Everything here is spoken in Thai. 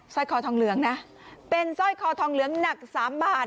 ร้อยคอทองเหลืองนะเป็นสร้อยคอทองเหลืองหนักสามบาท